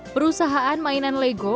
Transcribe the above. perusahaan mainan lego